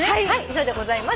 そうでございます。